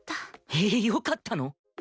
ええっよかったの？